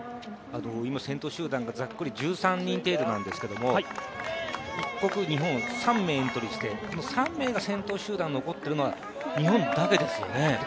先頭集団がざっくり１３人程度なんですけども一国、日本３名がエントリーして３名が先頭集団に残っているのは日本だけですよね。